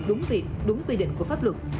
đúng việc đúng quy định của pháp luật